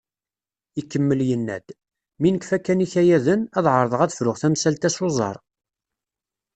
Ikemmel yenna-d: “Mi nekfa kan ikayaden, ad ɛerḍeɣ ad fruɣ tamsalt-a s uẓar."